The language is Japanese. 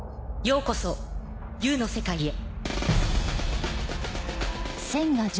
ようこそ「Ｕ」の世界へ。